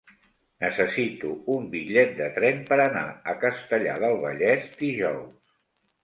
Necessito un bitllet de tren per anar a Castellar del Vallès dijous.